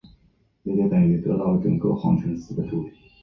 用来做长距离或低光环境下观瞄的瞄准镜通常拥有更粗的镜筒。